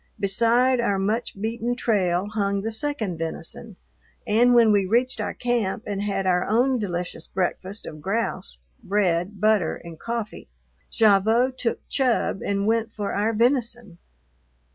Beside our much beaten trail hung the second venison, and when we reached our camp and had our own delicious breakfast of grouse, bread, butter, and coffee, Gavotte took Chub and went for our venison.